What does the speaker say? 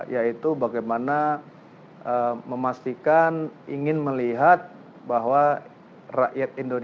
yaitu bagaimana memastikan ingin melihat bahwa rakyat indonesia